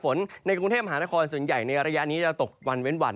ในกรุงเทพมหานครส่วนใหญ่ในระยะนี้จะตกวันเว้นวัน